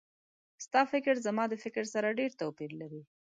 ستا فکر زما د فکر سره ډېر توپیر لري